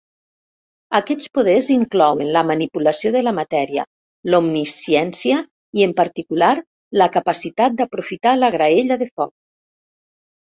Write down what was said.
Aquests poders inclouen la manipulació de la matèria, l'omnisciència i, en particular, la capacitat d'aprofitar la graella de foc.